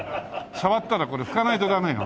触ったらこれ拭かないとダメよ。